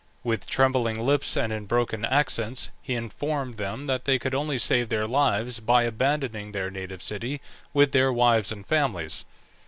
With trembling lips and in broken accents, he informed them that they could only save their lives by abandoning their native city with their wives and families.